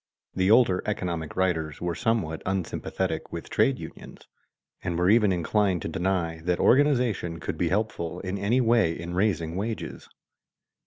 _ The older economic writers were somewhat unsympathetic with trade unions, and were even inclined to deny that organization could be helpful in any way in raising wages.